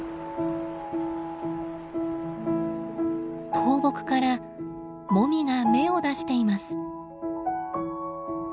倒木からモミが芽を出しています。